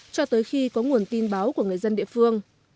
cho tới khi có nguồn tin báo của người dân địa phương